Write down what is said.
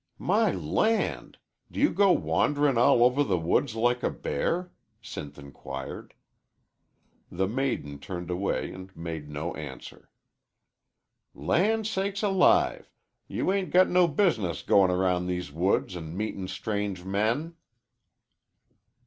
"My land! Do you go wanderin' all over the woods like a bear?" Sinth inquired. The maiden turned away and made no answer. "Land sakes alive! you 'ain't got no business goin' around these woods an' meetin' strange men."